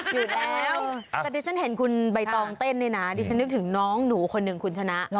อยู่แล้วแต่ดิฉันเห็นคุณใบตองเต้นเนี่ยนะดิฉันนึกถึงน้องหนูคนหนึ่งคุณชนะ